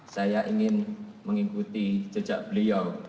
saya ingin mengikuti jejak beliau